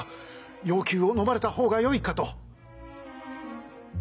要求をのまれた方がよいかと。